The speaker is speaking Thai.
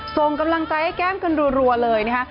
ส่งกำลังใจให้แก้มกันรัวเลยนะคะ